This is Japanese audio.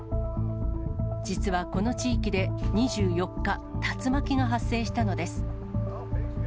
実はこの地域で２４日、竜巻が発生したのです。